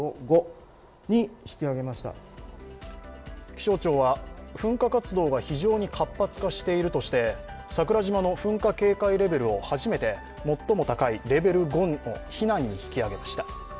気象庁は、噴火活動が非常に活発化しているとして桜島の噴火警戒レベルを初めて最も高いレベル５の避難に引き上げました。